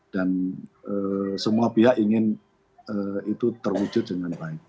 dan semua pihak ingin itu terwujud dengan baik